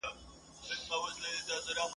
خلک ئې زیارت ته تللي دي.